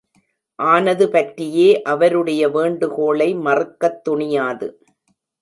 ஆனதுபற்றியே அவருடைய வேண்டுகோளை மறுக்கத் துணியாது.